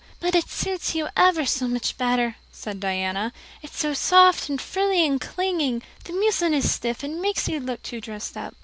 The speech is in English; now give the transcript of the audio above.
"But it suits you ever so much better," said Diana. "It's so soft and frilly and clinging. The muslin is stiff, and makes you look too dressed up.